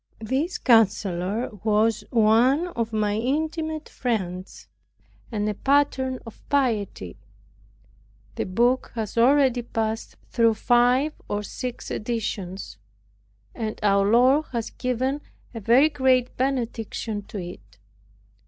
This counselor was one of my intimate friends, and a pattern of piety. The book has already passed through five or six editions; and our Lord has given a very great benediction to it.